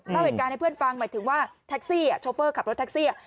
เล่าเหตุการณ์ให้เพื่อนฟังหมายถึงว่าแท็กซี่โชเฟอร์ขับรถแท็กซี่